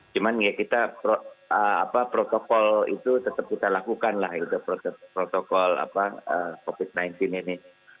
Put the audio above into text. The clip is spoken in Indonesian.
cuman ya kita protokol itu tetap kita lakukan lah gitu protokol covid sembilan belas ini